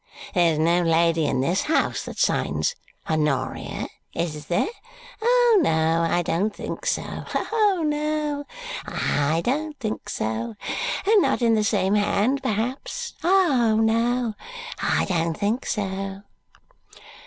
There's no lady in this house that signs Honoria is there? Oh, no, I don't think so! Oh, no, I don't think so! And not in the same hand, perhaps? Oh, no, I don't think so!"